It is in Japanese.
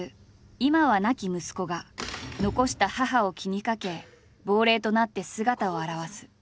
今は亡き息子が残した母を気にかけ亡霊となって姿を現す。